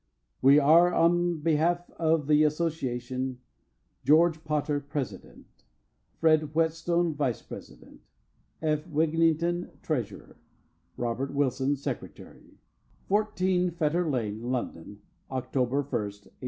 We are, on behalf of the association, GEORGE POTTER, President, FRED WHETSTONE, Vice President, F. WIGINGTON, Treasurer, ROBERT WILSON, Secretary. 14 FETTER LANE, LONDON. October 1, 1892.